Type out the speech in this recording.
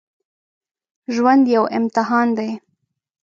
ژوند یو امتحان دی